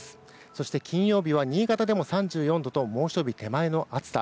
そして金曜日は新潟でも３４度と猛暑日手前の暑さ。